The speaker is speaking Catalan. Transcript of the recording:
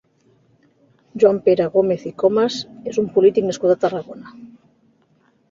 Joan Pere Gómez i Comes és un polític nascut a Tarragona.